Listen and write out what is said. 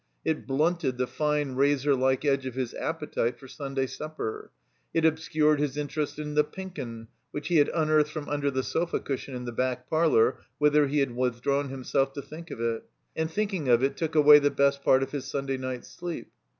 It blunted the fine razorlike edge of his appetite for Stmday supper. It obscured his interest in The Pink *Un, which he had unearthed from under the sofa cushion in the back parlor, whither he had withdrawn himself to think of it. And thinking of it took away the best 'part of his Sunday night's sleep.